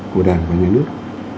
của đảng và nhà nước